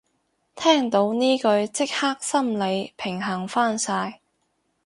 聽到呢句即刻心理平衡返晒